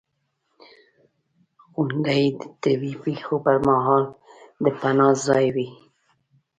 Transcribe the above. • غونډۍ د طبعي پېښو پر مهال د پناه ځای وي.